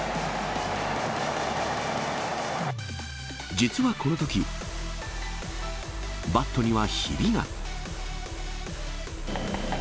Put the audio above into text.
実はこのとき、バットにはひびが。